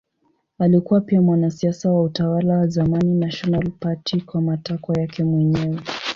Alikuwa pia mwanasiasa wa utawala wa zamani National Party kwa matakwa yake mwenyewe.